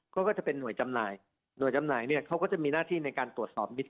ก็จะเป็นห่วยจำหน่ายหน่วยจำหน่ายเนี่ยเขาก็จะมีหน้าที่ในการตรวจสอบมิตร